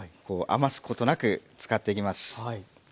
余すことなく使っていきます。